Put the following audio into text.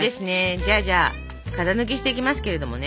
じゃあじゃあ型抜きしていきますけれどもね。